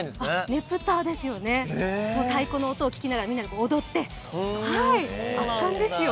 ねぷたですよね、太鼓の音を聞きながらみんなで踊って圧巻ですよ。